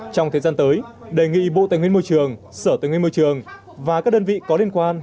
trong thời gian tới đề nghị bộ tài nguyên môi trường sở tài nguyên môi trường và các đơn vị có liên quan